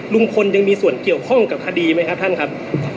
ลุงพลยังมีส่วนเกี่ยวข้องกับคดีไหมครับท่านครับ